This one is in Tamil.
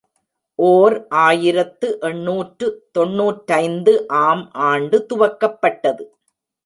ஓர் ஆயிரத்து எண்ணூற்று தொன்னூற்றைந்து ஆம் ஆண்டு துவக்கப்பட்டது.